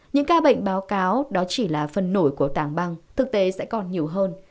những ca bệnh báo cáo đó chỉ là phần nổi của tảng băng thực tế sẽ còn nhiều hơn